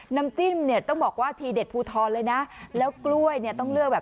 น้ำจิ้มเนี่ยต้องบอกว่าทีเด็ดภูทรเลยนะแล้วกล้วยเนี่ยต้องเลือกแบบ